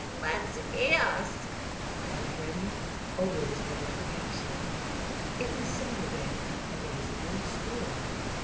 "Let's ask," cried Freddie, always ready for action. It was Saturday, and there was no school.